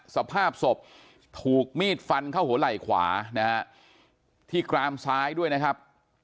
สภาพศพถูกมีดฟันเข้าหัวไหล่ขวานะฮะที่กรามซ้ายด้วยนะครับ